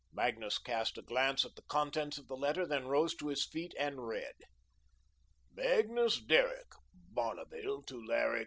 Magnus cast a glance at the contents of the letter, then rose to his feet and read: Magnus Derrick, Bonneville, Tulare Co.